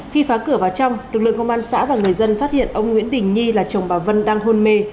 khi phá cửa vào trong lực lượng công an xã và người dân phát hiện ông nguyễn đình nhi là chồng bà vân đang hôn mê